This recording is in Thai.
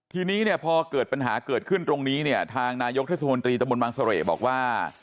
ทีนี้เนี่ยพอเกิดปัญหาเกิดขึ้นตรงนี้เนี่ยทางนายกเทศมนตรีตะมนตบังเสร่บอกว่า